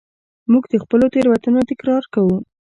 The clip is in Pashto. موږ د خپلو تېروتنو تکرار کوو.